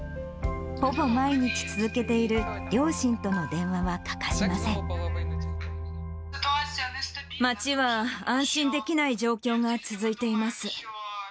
ほぼ毎日続けている両親との街は安心できない状況が続いています。